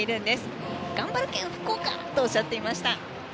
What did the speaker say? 「がんばるけん！福岡！」とおっしゃっていました。